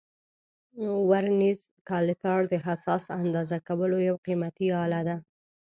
ورنیز کالیپر د حساس اندازه کولو یو قیمتي آله ده.